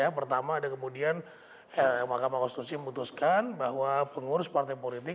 pertama ada kemudian mahkamah konstitusi memutuskan bahwa pengurus partai politik